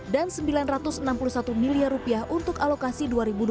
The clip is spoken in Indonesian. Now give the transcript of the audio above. dan sembilan ratus enam puluh satu miliar rupiah untuk alokasi dua ribu dua puluh dua